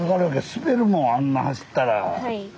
滑るもんあんな走ったら。